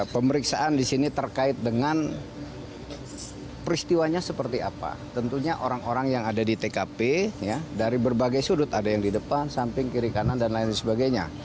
peristiwanya seperti apa tentunya orang orang yang ada di tkp dari berbagai sudut ada yang di depan samping kiri kanan dan lain sebagainya